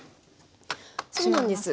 そうなんです。